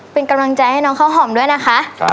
เป็นกำลังใจให้น้องข้าวหอมด้วยนะคะ